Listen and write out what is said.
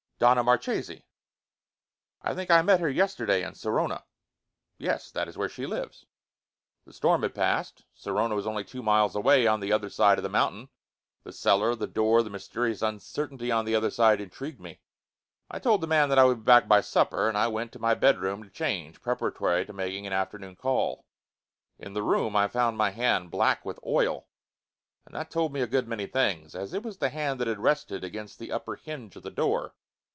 "Donna Marchesi." "I think I met her yesterday in Sorona." "Yes, that is where she lives." The storm had passed. Sorona was only two miles away, on the other side of the mountain. The cellar, the door, the mysterious uncertainty on the other side intrigued me. I told the man that I would be back by supper, and I went to my bedroom to change, preparatory to making an afternoon call. In the room I found my hand black with oil. And that told me a good many things, as it was the hand that had rested against the upper hinge of the door.